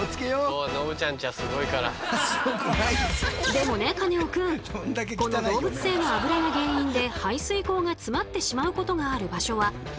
でもねカネオくんこの動物性のあぶらが原因で排水口が詰まってしまうことがある場所はほかにも。